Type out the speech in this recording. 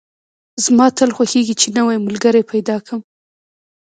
زما تل خوښېږي چې نوی ملګري پیدا کدم